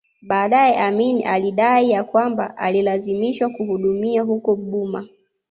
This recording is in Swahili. Baadae Amin alidai ya kwamba alilazimishwa kuhudumia huko Burma